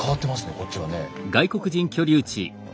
こっちはね。